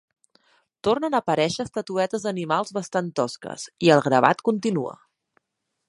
Tornen a aparèixer estatuetes d'animals bastant tosques, i el gravat continua.